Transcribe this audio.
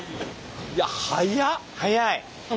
いや速っ！